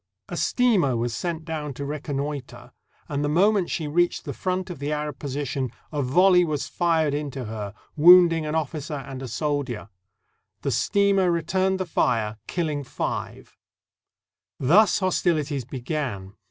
A steamer was sent down to reconnoiter, and the moment she reached the front of the Arab position a volley was fired into her, wounding an officer and a soldier. The steamer returned the fire, killing five. Thus hostilities began.